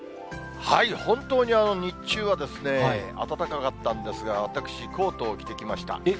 本当に日中は暖かかったんですが、私、コートを着てきました。